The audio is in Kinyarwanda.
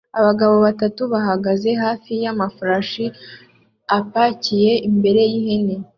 Abagabo batatu bahagaze hafi y'amafarashi apakiye imbere y'ihema